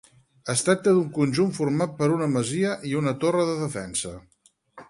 Es tracta d'un conjunt format per una masia i una torre de defensa.